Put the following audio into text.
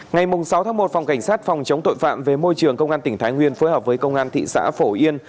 ngày sáu một phòng cảnh sát phòng chống tội phạm về môi trường công an tỉnh thái nguyên phối hợp với công an thị xã phổ yên